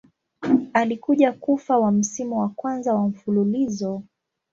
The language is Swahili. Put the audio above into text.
Alikuja kufa wa msimu wa kwanza wa mfululizo.